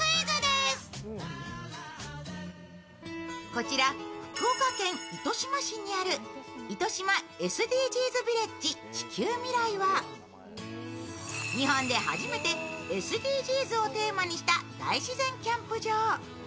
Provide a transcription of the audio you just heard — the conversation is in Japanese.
こちら、福岡県糸島市にあるＩＴＯＳＨＩＭＡＳＤＧｓＶｉｌｌａｇｅ地球ＭＩＲＡＩは日本で初めてＳＤＧｓをテーマにした大自然キャンプ場。